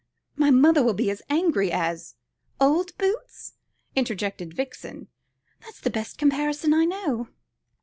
"My mother will be as angry as " "Old boots!" interjected Vixen. "That's the best comparison I know."